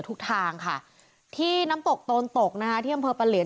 ทุกทางค่ะที่น้ำตกโตนตกนะคะที่อำเภอปะเหลียน